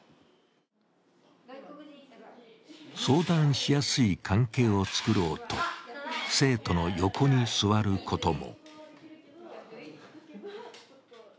相談しやすい関係を作ろうと生徒の横に座ることも。